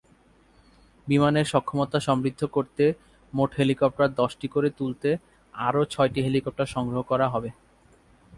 বিমানের সক্ষমতা সমৃদ্ধ করতে মোট হেলিকপ্টার দশটি করে তুলতে আরও ছয়টি হেলিকপ্টার সংগ্রহ করা হবে।